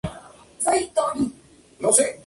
Kúbera se describe como nacido de una vaca.